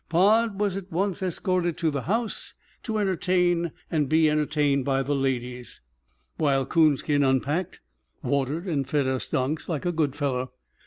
Pod was at once escorted to the house to entertain and be entertained by the ladies, while Coonskin unpacked, watered and fed us donks, like a good fellow.